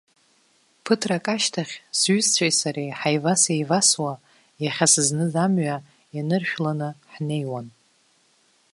Ԥыҭрак ашьҭахь, сҩызцәеи сареи ҳаивас-еивасуа, иахьа сызныз амҩа ианыршәланы ҳнеиуан.